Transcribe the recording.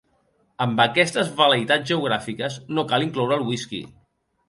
Amb aquestes vel·leitats geogràfiques no cal incloure el whisky.